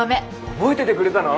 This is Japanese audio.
覚えててくれたの？